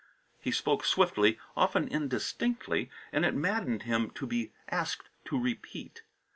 He spoke swiftly, often indistinctly, and it maddened him to be asked to repeat.